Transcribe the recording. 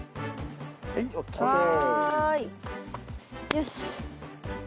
よし！